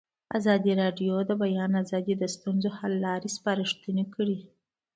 ازادي راډیو د د بیان آزادي د ستونزو حل لارې سپارښتنې کړي.